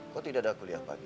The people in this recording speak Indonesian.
kok tidak ada kuliah pagi